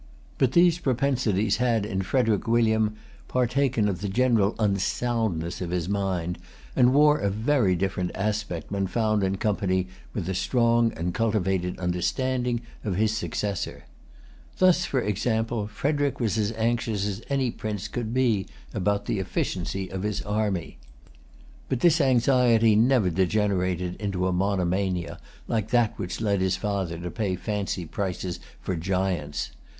But these propensities had in Frederic William partaken of the general unsoundness of his mind, and wore a very different aspect when found in company with the strong and cultivated understanding of his successor. Thus, for example, Frederic was as anxious as any prince could be about the efficiency of his army. But this anxiety never degenerated into a monomania, like that which led his father to pay fancy prices for giants.